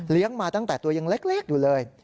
มาตั้งแต่ตัวยังเล็กอยู่เลย